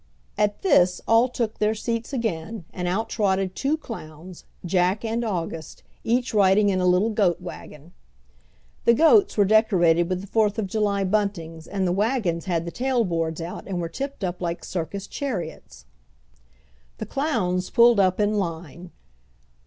At this all took their seats again, and out trotted two clowns, Jack and August, each riding in a little goat wagon. The goats were decorated with the Fourth of July buntings and the wagons had the tailboards out and were tipped up like circus chariots. The clowns pulled up in line.